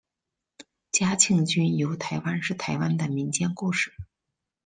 嘉庆君游台湾是台湾的民间故事。